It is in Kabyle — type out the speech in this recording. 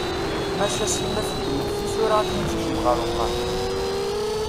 Maca Sima teddem-d tisura akken ad tekcem ɣer uxxam.